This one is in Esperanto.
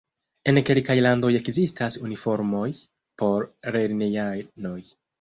En kelkaj landoj ekzistas uniformoj por lernejanoj.